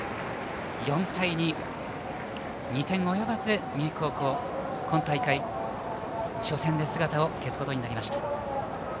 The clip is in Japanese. ４対２２点及ばず、三重高校今大会、初戦で姿を消すことになりました。